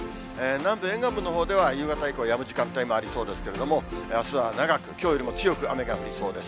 南部、沿岸部のほうでは夕方以降、やむ時間帯もありそうですけれども、あすは長く、きょうよりも強く雨が降りそうです。